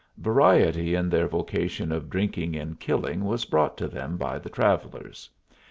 Variety in their vocation of drinking and killing was brought them by the travellers.